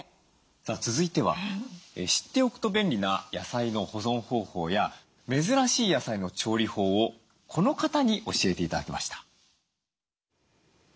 さあ続いては知っておくと便利な野菜の保存方法や珍しい野菜の調理法をこの方に教えて頂きました。